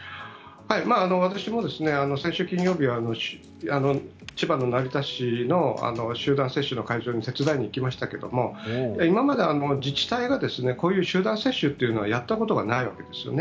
私も先週金曜日に千葉の成田市の集団接種の会場に手伝いに行きましたけど今まで自治体がこういう集団接種というのはやったことがないわけですよね。